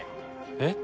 えっ！